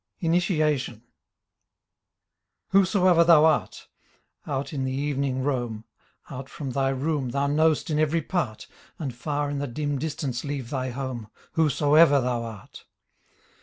14 INITIATION Whosoever thou art ! Out in the evening roam. Out from thy room thou know'st in every part, And far in the dim distance leave thy home. Whosoever thou art.